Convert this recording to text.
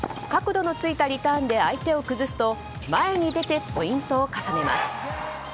角度のついたリターンで相手を崩すと前に出てポイントを重ねます。